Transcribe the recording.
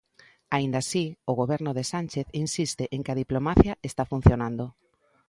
Aínda así, o goberno de Sánchez insiste en que a diplomacia está funcionando.